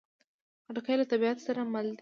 خټکی له طبیعت سره مل دی.